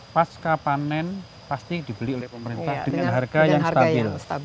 pasca panen pasti dibeli oleh pemerintah dengan harga yang stabil